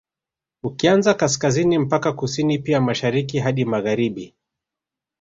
Ukianzia Kaskazini mpaka Kusini pia Mashariki hadi Magharibi